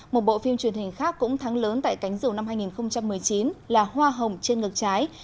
một bộ phim truyền hình khác cũng thắng lớn tại cánh rầu năm hai nghìn một mươi chín là hoa hồng trên ngược trái